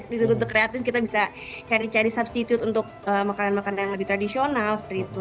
di tempat untuk kreatif kita bisa cari cari substitute untuk makanan makanan yang lebih tradisional seperti itu